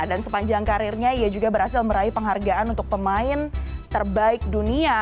dan sepanjang karirnya ia juga berhasil meraih penghargaan untuk pemain terbaik dunia